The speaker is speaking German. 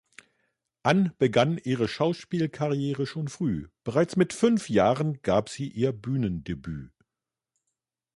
Ann begann ihre Schauspielkarriere schon früh, bereits mit fünf Jahren gab sie ihr Bühnendebüt.